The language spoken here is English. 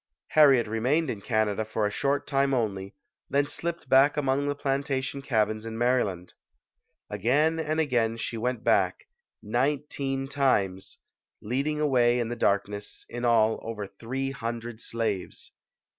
Harriet remained in Canada for a short time only, then slipped back among the plantation cabins in Maryland. Again and again she went back nineteen times leading away in the dark ness, in all, over three hundred slaves.